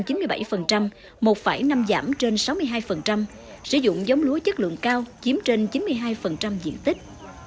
sản xuất ứng dụng chương trình ba giảm ba tăng trên chín mươi bảy một năm giảm trên sáu mươi hai sử dụng giống lúa chất lượng cao chiếm trên chín mươi hai diện tích